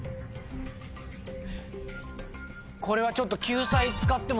これはちょっと。